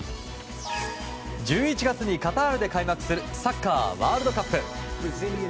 １１月にカタールで開幕するサッカーワールドカップ。